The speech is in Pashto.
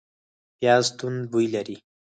پیاز توند بوی لري